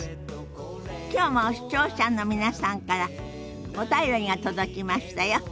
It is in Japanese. きょうも視聴者の皆さんからお便りが届きましたよ。